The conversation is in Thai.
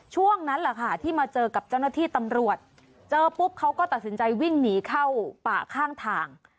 ช่วงนั้นแหละค่ะที่มาเจอกับเจ้าหน้าที่ตำรวจเจอปุ๊บเขาก็ตัดสินใจวิ่งหนีเข้าป่าข้างทาง